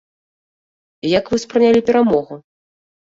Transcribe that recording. Як вы ўспрынялі перамогу?